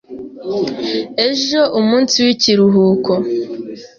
Ejo umunsi w'ikiruhuko.